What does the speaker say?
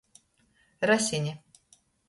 Rasine.